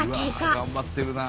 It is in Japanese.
頑張ってるなあ。